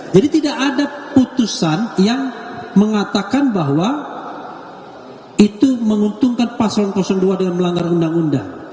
jadi tidak ada putusan yang mengatakan bahwa itu menguntungkan paslon dua dengan melanggar undang undang